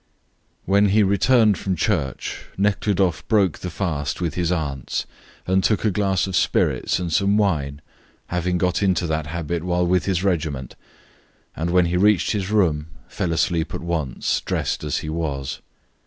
When he returned from church Nekhludoff broke the fast with his aunts and took a glass of spirits and some wine, having got into that habit while with his regiment, and when he reached his room fell asleep at once, dressed as he was.